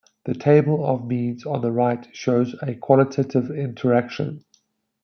The table of means on the right shows a qualitative interaction.